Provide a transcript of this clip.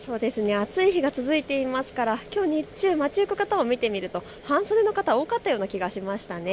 暑い日が続いていますからきょう日中、街行く方を見てみると半袖の方が多かったような気がしました。